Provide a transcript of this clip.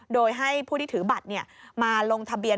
โดยให้ผู้ที่ถือบัตรมาลงทะเบียน